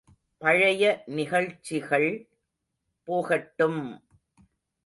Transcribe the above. பழைய நிகழ்ச்சிகள் போகட்டும்!